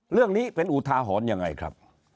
เรื่องนี้เป็นอุทาหรณ์ยังไงครับ